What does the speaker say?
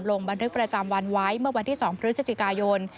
ลงบันทึกประจำวันไว้เมื่อวันที่๒พฤศจิกายน